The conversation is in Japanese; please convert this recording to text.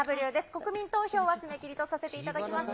国民投票は締め切りとさせていただきました。